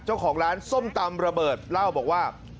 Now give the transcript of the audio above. เจ้าของร้านส้มตำระเบิดเล่าบอกว่า